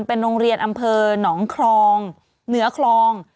เป็นโรงเรียนอำเภอหนองครองเหนือคลอง